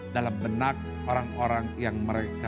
dalam benak orang orang yang mereka